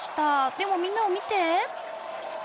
でもみんなを見て。